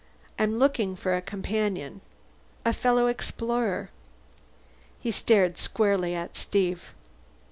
I'm looking for a companion. A fellow explorer." He stared squarely at Steve.